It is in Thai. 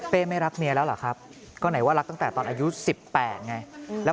ไม่รักเมียแล้วเหรอครับก็ไหนว่ารักตั้งแต่ตอนอายุ๑๘ไง